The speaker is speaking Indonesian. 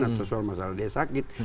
atau soal masalah dia sakit